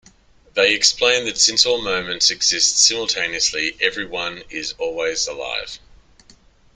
They explain that since all moments exist simultaneously, everyone is always alive.